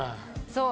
そう。